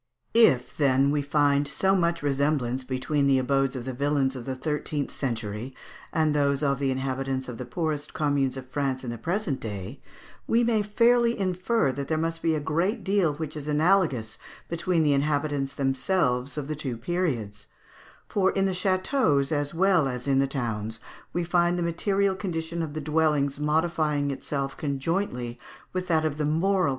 If, then, we find so much resemblance between the abodes of the villains of the thirteenth century and those of the inhabitants of the poorest communes of France in the present day, we may fairly infer that there must be a great deal which is analogous between the inhabitants themselves of the two periods; for in the châteaux as well as in the towns we find the material condition of the dwellings modifying itself conjointly with that of the moral condition of the inhabitants.